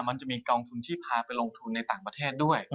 มันจะมีกองทุนที่พาไปลงทุนในต่างประเทศด้วย